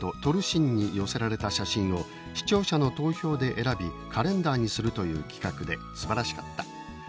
『撮るしん』に寄せられた写真を視聴者の投票で選びカレンダーにするという企画ですばらしかった。